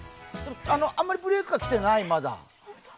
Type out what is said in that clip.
あまりブレークが来てないまだ。